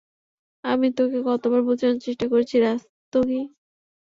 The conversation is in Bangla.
আমি তোকে কতোবার বুঝানোর চেষ্টা করেছি, রাস্তোগি।